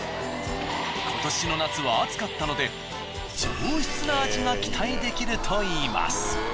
今年の夏は暑かったので上質な味が期待できるといいます。